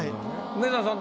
梅沢さん